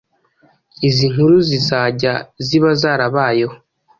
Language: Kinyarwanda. Izi nkuru zizajya ziba zarabayeho